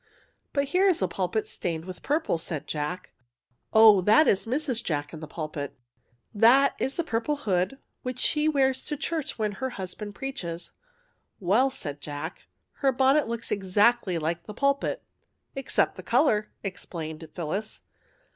''" But here is a pulpit stained with purple," said Jack. " Oh, that is Mrs. Jack in the pulpit. That is the purple hood which she wears to church when her husband preaches." " Well," said Jack, " her bonnet looks ex actly like the pulpit." " Except the colour," explained Phyllis.